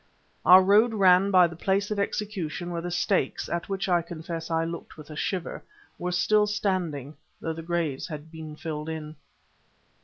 Our road ran by the place of execution where the stakes, at which I confess I looked with a shiver, were still standing, though the graves had been filled in.